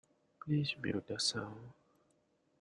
Please mute the sound.